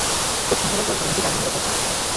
খুব সম্ভব ঘটনাটি তার মনের ওপর ছাপ ফেলে।